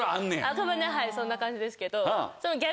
赤羽はそんな感じですけど。